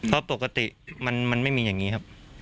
เพราะปกติมันไม่มีอย่างนี้ครับ